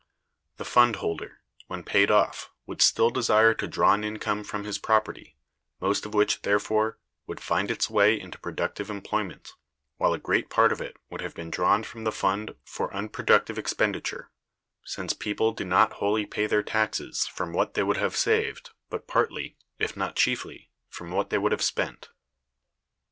The fund holder, when paid off, would still desire to draw an income from his property, most of which, therefore, would find its way into productive employment, while a great part of it would have been drawn from the fund for unproductive expenditure, since people do not wholly pay their taxes from what they would have saved, but partly, if not chiefly, from what they would have spent.